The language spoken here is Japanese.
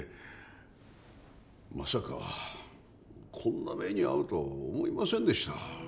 まさかこんな目に遭うとは思いませんでした。